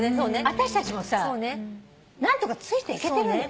私たちもさ何とかついていけてるのよ。